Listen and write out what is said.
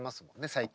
最近。